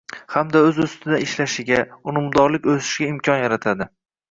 hamda o‘z ustidan ishlashiga, unumdorlik o‘sishiga imkon yaratadi;